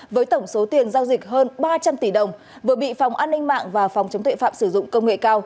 với tổng số tiền giao dịch hơn ba trăm linh tỷ đồng vừa bị phòng an ninh mạng và phòng chống tuệ phạm sử dụng công nghệ cao